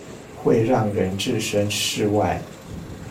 會讓人置身事外